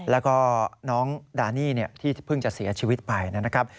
แล้วก็น้องดานี่ที่เพิ่งจะเสียชีวิตไปนะครับ